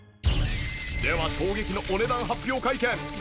では衝撃のお値段発表会見ご注目！